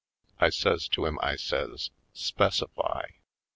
I says to him, I says : '^Specify?"